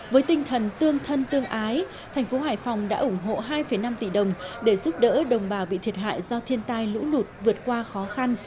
với tinh thần tương thân tương ái thành phố hải phòng đã ủng hộ hai năm tỷ đồng để giúp đỡ đồng bào bị thiệt hại do thiên tai lũ lụt vượt qua khó khăn